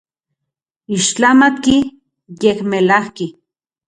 Ixtlamatki, yekmelajki.